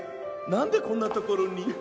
なんでこんなところに？